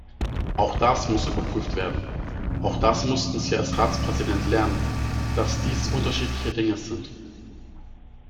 Auch das muss überprüft werden. Auch das mussten Sie als Ratspräsident lernen, dass dies unterschiedliche Dinge sind!